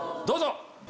どうぞ！